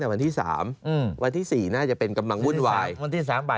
แล้วก็มีแผนที่เขตรักษาพันธุ์สัตว์ป่า